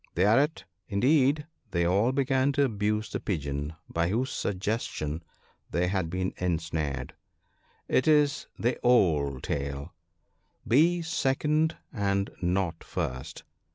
Thereat, indeed, they all began to abuse the pigeon by whose suggestion they had been ensnared. It is the old tale !" Be second and not first